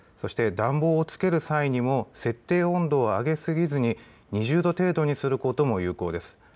そして暖房をつける際にも設定温度を上げすぎずに２０度程度にすることも有効です。